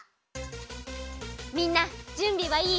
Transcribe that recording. みんなじゅんびはいい？